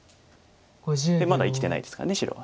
でまだ生きてないですから白は。